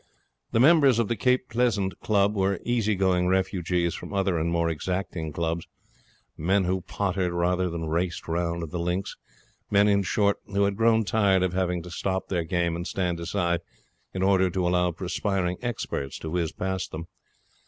The members of the Cape Pleasant Club were easygoing refugees from other and more exacting clubs, men who pottered rather than raced round the links; men, in short, who had grown tired of having to stop their game and stand aside in order to allow perspiring experts to whiz past them.